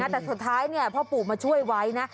แต่สุดท้ายพ่อปู่มาช่วยไว้นะ